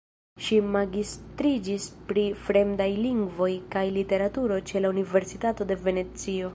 Ŝi magistriĝis pri Fremdaj lingvoj kaj Literaturo ĉe la Universitato de Venecio.